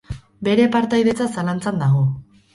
Bere partaidetza zalantzan dago.